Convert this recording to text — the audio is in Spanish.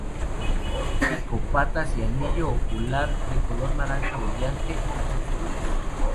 Pico, patas y anillo ocular de color naranja brillante; ojos oscuros.